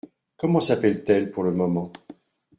Comment s'appelle-t-elle pour le moment ?